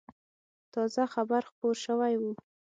تازه خبر خپور شوی و.